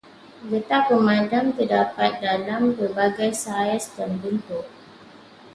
Getah pemadam terdapat dalam pelbagai saiz dan bentuk.